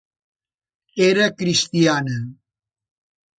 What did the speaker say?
Era cristiana.